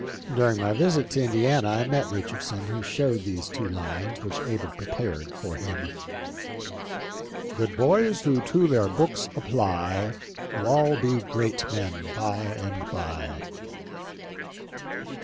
During my visit to Indiana I met Richardson, who showed these two lines, which Abe had prepared for him :" Good boys who to their books apply Will all be great men by and by."